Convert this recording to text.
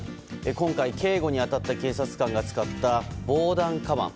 今回、警護に当たった警察官が使った防弾かばん。